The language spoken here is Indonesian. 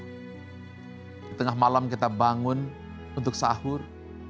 ketengah malam kita bangun untuk sahur